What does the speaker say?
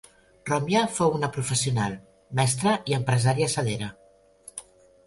Romia fou una professional, mestra i empresària sedera.